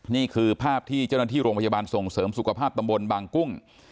นี่คือภาพที่เจ้าหน้าที่โรงพยาบาลส่งเสริมสุขภาพตำบลบางกุ้ง